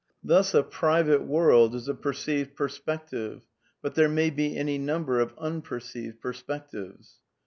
Thus a ' private world ' is a perceived * per spective'; but there may be any niunber of unperceived per spectives.